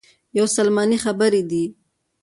یوه سلماني خبرې دي.